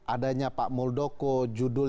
adanya pak muldoko judul